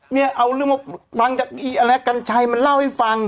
เนี่ยเอาเรื่องมาฟังจากกัญชัยมาเล่าให้ฟัง